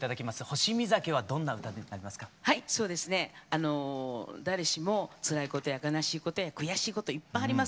あの誰しもつらいことや悲しいことや悔しいこといっぱいあります。